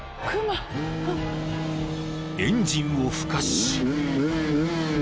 ［エンジンを吹かし］